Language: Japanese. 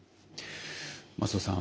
松尾さん